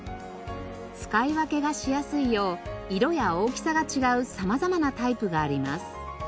使い分けがしやすいよう色や大きさが違う様々なタイプがあります。